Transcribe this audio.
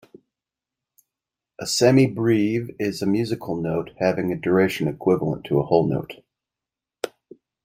A semibrieve is a musical note having a duration equivalent to a whole note